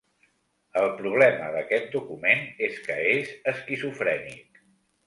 El problema d’aquest document és que és esquizofrènic.